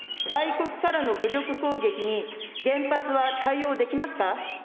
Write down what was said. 外国からの武力攻撃に原発は対応できますか。